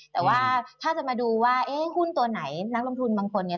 แต่ว่าถ้าจะมาดูว่าเอ๊ะหุ้นตัวไหนนักลงทุนบางคนเนี่ย